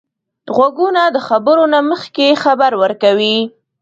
غوږونه د خبرو نه مخکې خبر ورکوي